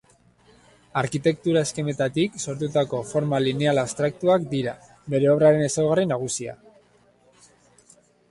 Arkitektura-eskemetatik sortutako forma lineal abstraktuak dira bere obraren ezaugarri nagusia.